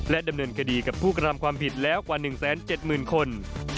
ดำเนินคดีกับผู้กระทำความผิดแล้วกว่า๑๗๐๐๐คน